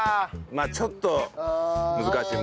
ちょっと難しいよ。